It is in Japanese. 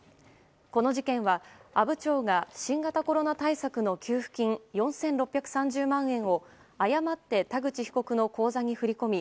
この事件は阿武町が新型コロナ対策の給付金４６３０万円を誤って田口被告の口座に振り込み